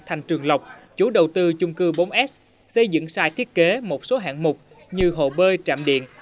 thành trường lộc chủ đầu tư chung cư bốn s xây dựng sai thiết kế một số hạng mục như hồ bơi trạm điện